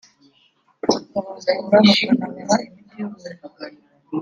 bakabavura bakanabaha imiti y’ubuntu